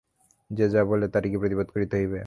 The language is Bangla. যে যা বলে তাহারই কি প্রতিবাদ করিতে হইবে।